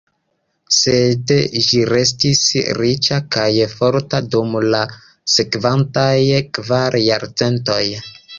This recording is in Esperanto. Sed ĝi restis riĉa kaj forta dum la sekvantaj kvar jarcentoj.